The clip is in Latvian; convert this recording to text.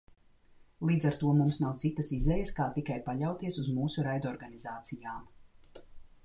Līdz ar to mums nav citas izejas kā tikai paļauties uz mūsu raidorganizācijām.